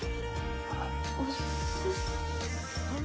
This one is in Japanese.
あっおすす。